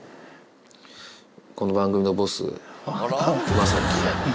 この番組のボス、雅紀。